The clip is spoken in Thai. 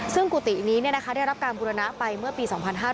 ซึ่งกุฏินี้ได้รับการบุรณะไปเมื่อปี๒๕๕๙